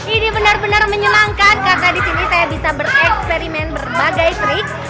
ini benar benar menyenangkan karena di sini saya bisa bereksperimen berbagai trik